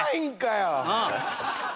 よし！